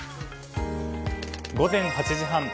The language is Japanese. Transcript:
午前８時半。